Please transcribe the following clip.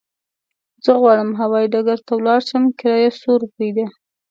زه غواړم هوايي ډګر ته ولاړ شم، کرايه څو روپی ده؟